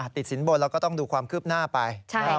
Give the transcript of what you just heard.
ติดสินบนแล้วก็ต้องดูความคืบหน้าไป